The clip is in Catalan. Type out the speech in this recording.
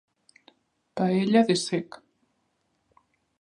Paella de cec.